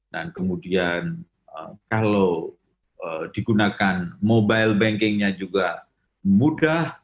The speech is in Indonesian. dan kemudian kalau digunakan mobile bankingnya juga mudah